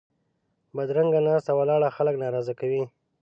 بدرنګه ناسته ولاړه خلک ناراضه کوي